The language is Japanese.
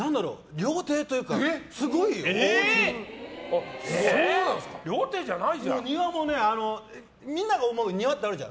料亭じゃないじゃん。